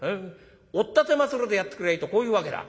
おったてまつるでやってくりゃいいとこういうわけだ」。